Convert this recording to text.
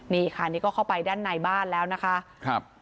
นี่ค่ะนี่ก็เข้าไปด้านในบ้านแล้วนะคะครับ